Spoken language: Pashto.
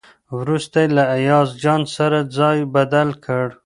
وروسته یې له ایاز جان سره ځای بدل کړ.